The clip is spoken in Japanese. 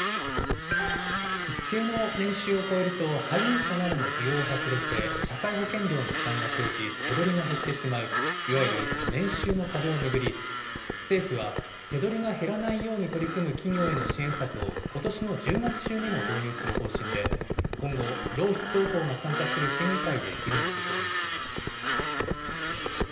一定の年収を超えると、配偶者などの扶養を外れて社会保険料の負担が生じ、手取りが減ってしまう、いわゆる年収の壁を巡り、政府は、手取りが減らないように取り組む企業への支援策を、ことしの１０月中にも導入する方針で、今後、労使双方が参加する審議会で議論することにしています。